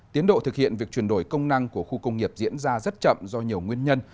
tiến độ thực hiện việc chuyển đổi công năng của khu công nghiệp diễn ra rất chậm do nhiều nguyên nhân